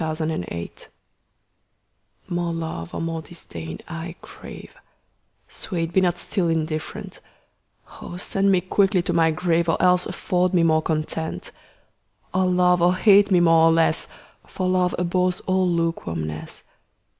Against Indifference MORE love or more disdain I crave; Sweet, be not still indifferent: O send me quickly to my grave, Or else afford me more content! Or love or hate me more or less, 5 For love abhors all lukewarmness.